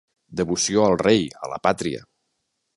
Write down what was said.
Devoció al rei, a la pàtria.